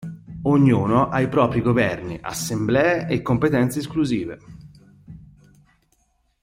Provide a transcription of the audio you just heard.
Ognuno ha i propri governi, assemblee e competenze esclusive.